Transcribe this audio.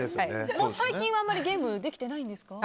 最近はあまりゲームできてないんですか？